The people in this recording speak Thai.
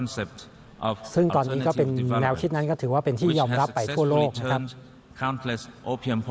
ซึ่งตอนนี้ก็เป็นแนวคิดนั้นก็ถือว่าเป็นที่ยอมรับไปทั่วโลกนะครับ